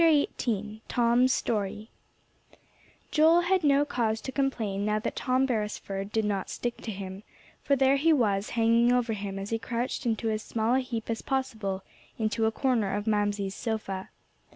XVIII TOM'S STORY Joel had no cause to complain now that Tom Beresford did not stick to him, for there he was hanging over him as he crouched into as small a heap as possible into a corner of Mamsie's sofa.